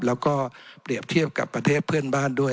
แล้วก็เปรียบเทียบกับประเทศเพื่อนบ้านด้วย